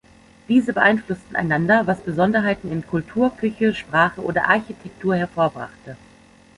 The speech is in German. Diese beeinflussten einander, was Besonderheiten in Kultur, Küche, Sprache oder Architektur hervorbrachte.